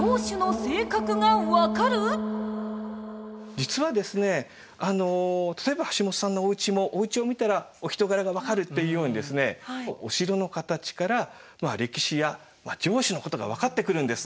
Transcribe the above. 実はですねあの例えば橋本さんのおうちもおうちを見たらお人柄が分かるっていうようにですねお城の形からまあ歴史や城主のことが分かってくるんです。